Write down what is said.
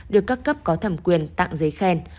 được các cấp có thẩm quyền tặng giấy khen